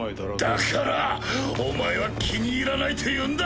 だからお前は気に入らないというんだ！